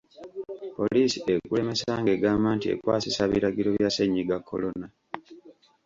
Poliisi ekulemesa ng'egamba nti ekwasisa biragiro bya Ssennyiga Corona.